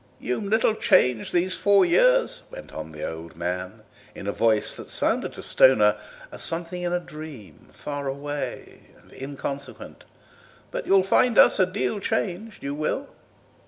"You'm little changed these four years," went on the old man, in a voice that sounded to Stoner as something in a dream, far away and inconsequent; "but you'll find us a deal changed, you will.